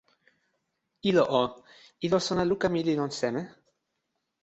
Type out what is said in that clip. ilo o, ilo sona luka mi li lon seme?